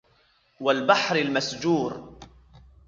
وَالْبَحْرِ الْمَسْجُورِ